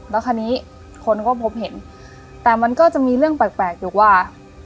แล้วคราวนี้คนก็พบเห็นแต่มันก็จะมีเรื่องแปลกอยู่ว่า